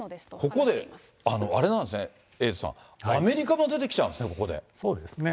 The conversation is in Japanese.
ここであれなんですね、エイトさん、アメリカも出てきちゃうそうですね。